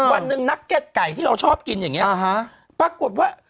อ๋อวันนึงนักเก็ตไก่ที่เราชอบกินอย่างเงี้ยอ่าฮะปรากฏว่า